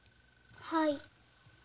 はい。